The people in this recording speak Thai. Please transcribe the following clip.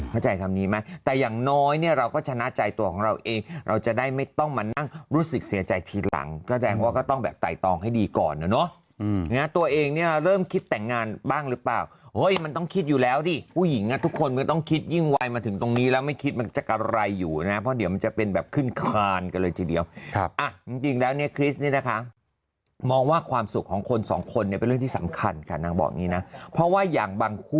เข้าใจคำนี้ไหมแต่อย่างน้อยเนี่ยเราก็ชนะใจตัวของเราเองเราจะได้ไม่ต้องมานั่งรู้สึกเสียใจทีหลังก็แดงว่าก็ต้องแบบไต่ตองให้ดีก่อนนะเนาะตัวเองเนี่ยเริ่มคิดแต่งงานบ้างหรือเปล่าเฮ้ยมันต้องคิดอยู่แล้วดิผู้หญิงน่ะทุกคนมันต้องคิดยิ่งไวน์มาถึงตรงนี้แล้วไม่คิดมันจะกำไรอยู่นะเพราะเดี๋ยวมัน